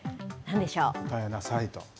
答えなさいと。